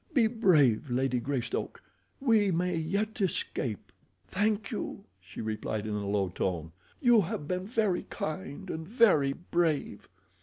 Be brave, Lady Greystoke—we may yet escape." "Thank you," she replied in a low tone. "You have been very kind, and very brave."